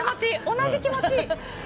同じ気持ち。